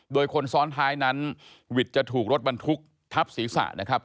โดยคนซ้อนท้ายนั้นวิทย์จะถูกรถบรรทุกทับศีรษะนะครับ